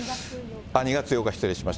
２月８日、失礼しました。